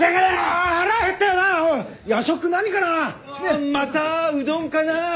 あまたうどんかな？